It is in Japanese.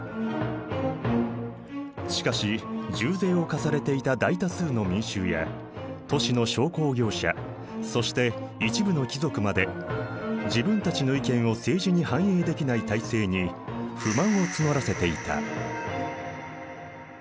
しかし重税を課されていた大多数の民衆や都市の商工業者そして一部の貴族まで自分たちの意見を政治に反映できない体制に不満を募らせていた。